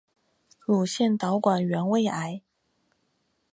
乳腺导管原位癌。